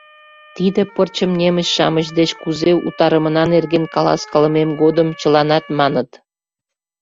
Тиде пырчым немыч-шамыч деч кузе утарымына нерген каласкалымем годым чыланат маныт: